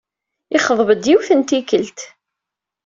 Yexḍeb-d, yiwet n tikkelt.